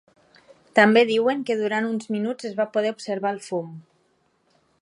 També diuen que durant uns minuts es va poder observar el fum.